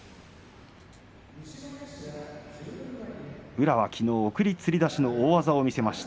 宇良は、きのう送りつり出しの大技を見せました。